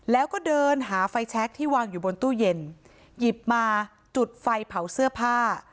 แล้วก็เดินหาไฟแชคที่วางอยู่บนตู้เย็นหยิบมาจุดไฟเผาเสื้อผ้า